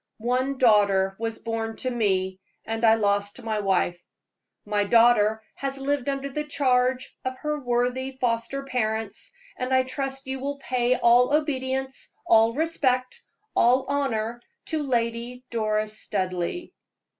One daughter was born to me, and I lost my wife. My daughter has lived under the charge of her worthy foster parents, and I trust you will pay all obedience, all respect, all honor to Lady Doris Studleigh."